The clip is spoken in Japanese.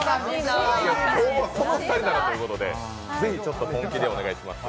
この２人ならということでぜひ、ちょっと本気でお願いします。